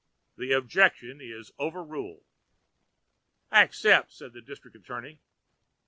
The objection is overruled." "I except," said the district attorney.